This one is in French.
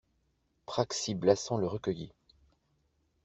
Praxi-Blassans le recueillit.